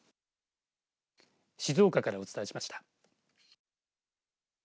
静岡からお伝えしました。